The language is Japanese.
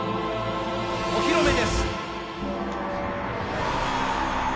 お披露目です。